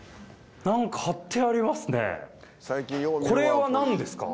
これは何ですか？